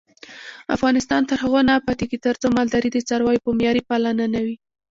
افغانستان تر هغو نه ابادیږي، ترڅو مالداري د څارویو په معیاري پالنه نه وي.